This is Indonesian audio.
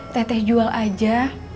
teteh jual aja